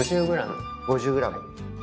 ５０ｇ。